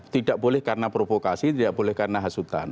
tidak boleh karena provokasi tidak boleh karena hasutan